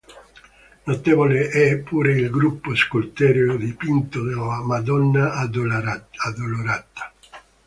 Notevole è pure il gruppo scultoreo dipinto della "Madonna Addolorata".